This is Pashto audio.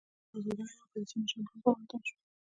شهزاده ګان او کلیسا مشران هم خاوندان شول.